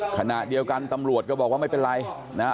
ขณะเดียวกันตำรวจก็บอกว่าไม่เป็นไรนะฮะ